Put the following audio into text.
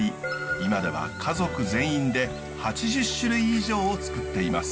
今では家族全員で８０種類以上をつくっています。